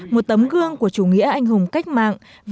một tấm gương của chủ nghĩa anh hùng cách mạng